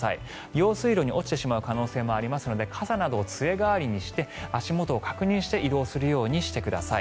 用水路に落ちてしまう可能性もありますので傘などを杖代わりにして足元を確認して移動するようにしてください。